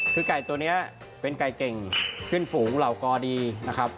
คือไก่ตัวนี้เป็นไก่เก่งขึ้นฝูงเหล่ากอดีนะครับ